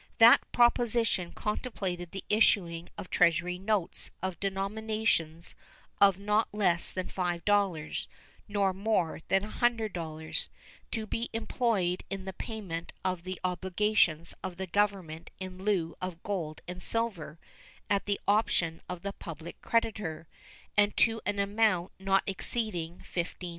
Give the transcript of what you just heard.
That proposition contemplated the issuing of Treasury notes of denominations of not less than $5 nor more than $100, to be employed in the payment of the obligations of the Government in lieu of gold and silver at the option of the public creditor, and to an amount not exceeding $15,000,000.